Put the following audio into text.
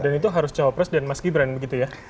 dan itu harus cowok pres dan mas gibran begitu ya